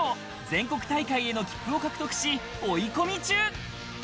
全国大会への切符を獲得し、追い込み中。